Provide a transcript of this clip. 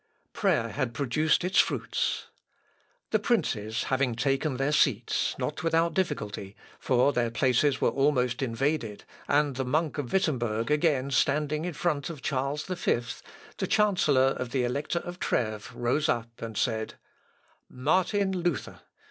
Prayer had produced its fruits. The princes having taken their seats, not without difficulty, for their places were almost invaded, and the monk of Wittemberg again standing in front of Charles V, the chancellor of the Elector of Trêves rose up, and said: "Martin Luther!